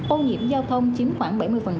ô nhiễm giao thông chính khoảng bảy mươi